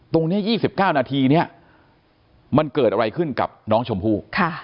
ตรงนี้๒๙นาทีเนี่ยมันเกิดอะไรขึ้นกับน้องชมพู่